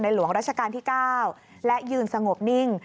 หลวงราชการที่๙และยืนสงบนิ่ง